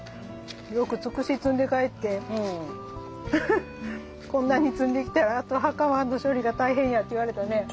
よくツクシ摘んで帰ってこんなに摘んできたらあとハカマの処理が大変やって言われたね。